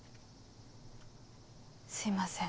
すいません。